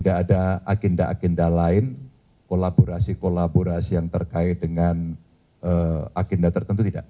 ada agenda agenda lain kolaborasi kolaborasi yang terkait dengan agenda tertentu tidak